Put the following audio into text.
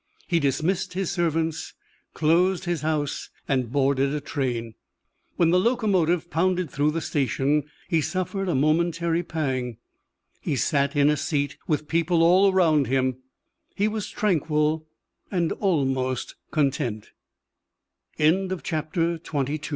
He dismissed his servants, closed his house, and boarded a train. When the locomotive pounded through the station, he suffered a momentary pang. He sat in a seat with people all around him. He was tranquil and almost content. XXIII Hugo had no friends.